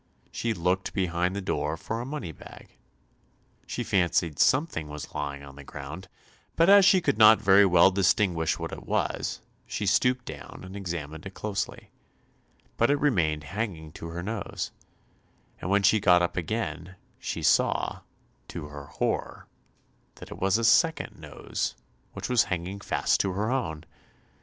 She looked behind the door for a money bag. She fancied something was lying on the ground, but as she could not very well distinguish what it was, she stooped down, and examined it closely, but it remained hanging to her nose, and when she got up again, she saw, to her horror, that it was a second nose, which was hanging fast to her own.